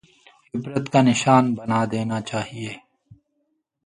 عبرت کا نشان بنا دینا چاہیے؟